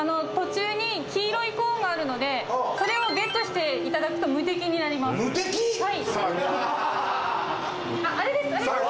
途中に黄色いコーンがあるのでそれをゲットしていただくと無敵になります。